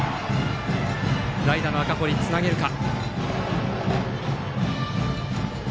代打の赤堀、つなげるか。